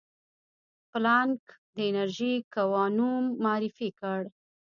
پلانک د انرژي کوانوم معرفي کړ.